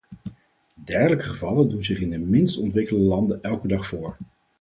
Dergelijke gevallen doen zich in de minst ontwikkelde landen elke dag voor.